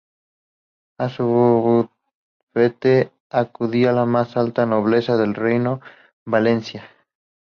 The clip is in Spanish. A su bufete acudía la más alta nobleza del Reino de Valencia.